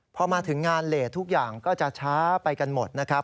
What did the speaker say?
พอมาถึงงานเลสทุกอย่างก็จะช้าไปกันหมดนะครับ